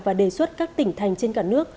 và đề xuất các tỉnh thành trên cả nước